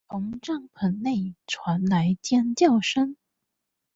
从帐篷内传来尖叫声